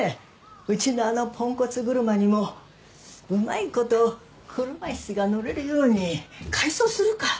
うちのあのポンコツ車にもうまいこと車椅子が乗れるように改装するか！